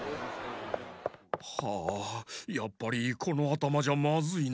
はあやっぱりこのあたまじゃまずいな。